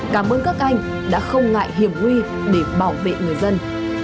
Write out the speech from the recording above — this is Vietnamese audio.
cảm ơn các anh đã không ngại hiểm huy để bảo vệ người dân